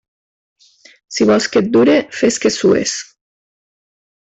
Si vols que et dure, fes que sues.